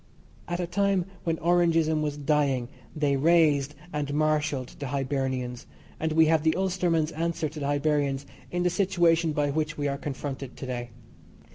At a time when Orangeism was dying they raised and marshalled the Hibernians, and we have the Ulsterman's answer to the Hibernians in the situation by which we are confronted to day.